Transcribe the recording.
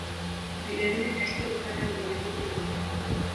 Vile vile katika upande wa magharibi mwa hifadhi